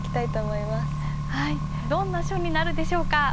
どんな書になるでしょうか。